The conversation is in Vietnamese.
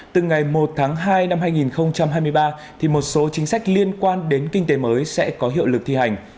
từ ngày một tháng hai năm hai nghìn hai mươi ba thì một số chính sách liên quan đến kinh tế mới sẽ có hiệu lực thi hành